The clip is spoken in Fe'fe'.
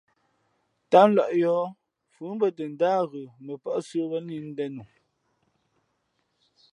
Tám lᾱʼ yōh, fʉ mbᾱ tα ndáh ghə, mα pά sə̌wēn lǐʼ ndēn nu.